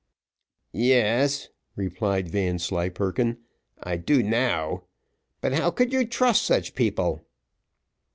"Yes," replied Vanslyperken, "I do now: but how could you trust such people?"